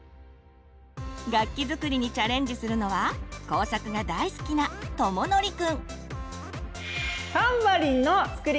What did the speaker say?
楽器作りにチャレンジするのは工作が大好きなとものりくん。